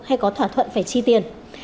hay có thỏa thuận phải chi tiền